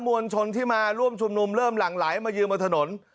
มวลชนที่มาร่วมชุมนุมเริ่มหลั่งไหลมายืนบนถนน